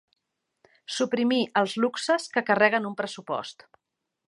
Suprimir els luxes que carreguen un pressupost.